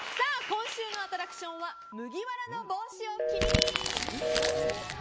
今週のアトラクションは麦わらの帽子を君に！